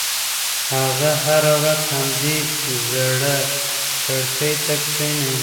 هغه هره ورځ همدې زړې کړکۍ ته کښېني.